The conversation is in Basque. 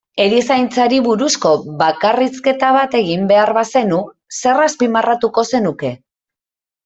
Erizaintzari buruzko bakarrizketa bat egin behar bazenu, zer azpimarratuko zenuke?